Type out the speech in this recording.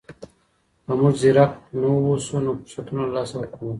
که موږ ځيرک نه واوسو نو فرصتونه له لاسه ورکوو.